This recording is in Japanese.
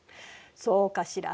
そうかしら？